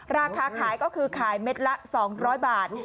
ราคาขายก็คือขายเม็ดละ๒๐๐บาท